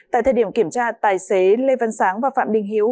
tại thời điểm kiểm tra tài xế lê văn sáng và phạm đình hiếu